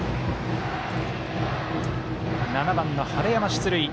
７番の晴山が出塁。